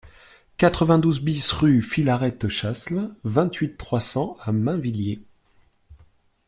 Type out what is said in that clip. quatre-vingt-douze BIS rue Philarète Chasles, vingt-huit, trois cents à Mainvilliers